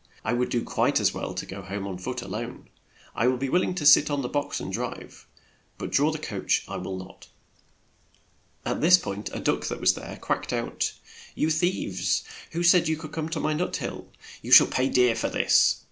"I would do quite as well to go home on foot a lone. I would be will ing to sit on the box and drive, but draw the coach I will not." At this point a duck that was there quacked out, "You thieves, who said you could come to my nut hill? You shall pay dear for this